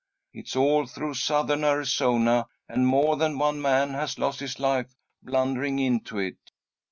It's all through Southern Arizona, and more than one man has lost his life blundering into it."